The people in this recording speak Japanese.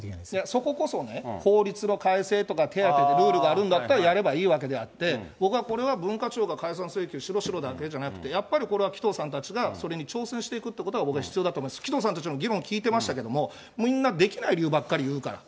そここそね、法律の改正とか手当で、ルールがあるんだったらやればいいわけであって、僕はこれは文化庁が解散請求しろしろだけじゃなくて、やっぱり紀藤さんたちがそれに挑戦していくということが、僕は必要だと思うし、紀藤さんたちの議論聞いてましたけども、みんなできない理由ばっかり言うから。